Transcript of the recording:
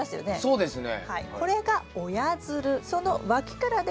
そうですね。